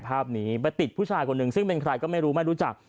ภาพนี้ไปติดผู้ชายคนหนึ่งซึ่งเป็นใครก็ไม่รู้ไม่รู้จัก